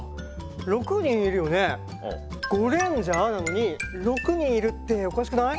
ゴレンジャーなのに６にんいるっておかしくない？